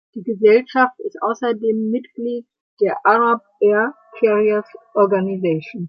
Die Gesellschaft ist außerdem Mitglied der Arab Air Carriers Organization.